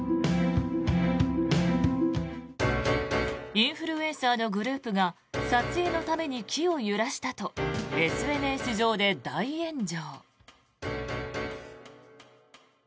インフルエンサーのグループが撮影のために木を揺らしたとＳＮＳ上で大炎上。